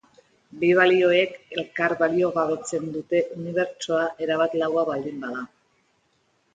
Bi balioek elkar baliogabetzen dute unibertsoa erabat laua baldin bada.